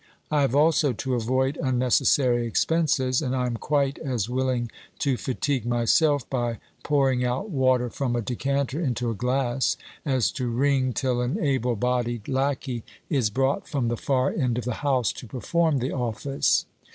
I have also to avoid unnecessary expenses, and I am quite as willing to fatigue myself by pouring out water from a decanter into a glass as to ring till an able bodied lackey is brought from the far end of the house to perform the office.